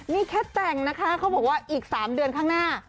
นี่แค่แต่งนะคะเขาบอกว่าอีก๓เดือนข้างหน้า